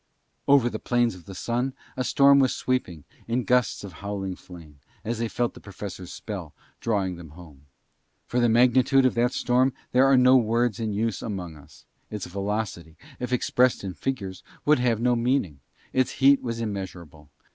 Over the plains of the Sun a storm was sweeping in gusts of howling flame as they felt the Professor's spell drawing them home. For the magnitude of that storm there are no words in use among us; its velocity, if expressed in figures, would have no meaning; its heat was immeasurable.